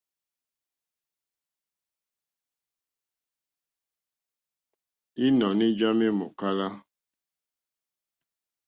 Ínɔ̀ní já má èmòkála.